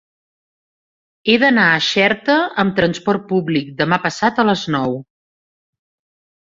He d'anar a Xerta amb trasport públic demà passat a les nou.